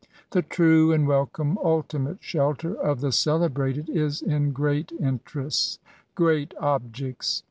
The true and welcome ultimate shelter of the celebrated is in great interests— great objects.